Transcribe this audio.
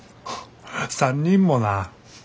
３人もな。